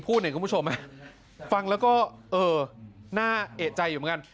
พูดเห็นคุณผู้ชมไหมฟังแล้วก็เออน่าเอกใจอยู่มั้งกัน